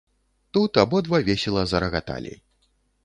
Тут абодва весела зарагаталі.